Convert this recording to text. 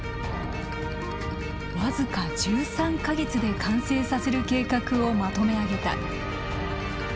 僅か１３か月で完成させる計画をまとめ上げた。